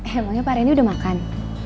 emangnya pak reni udah makan